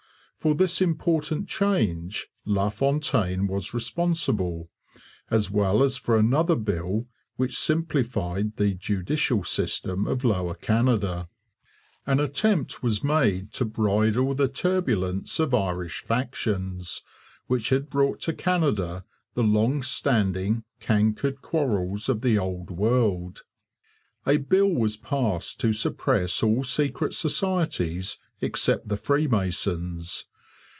For this important change LaFontaine was responsible, as well as for another bill which simplified the judicial system of Lower Canada. An attempt was made to bridle the turbulence of Irish factions, which had brought to Canada the long standing, cankered quarrels of the Old World. A bill was passed to suppress all secret societies except the Freemasons.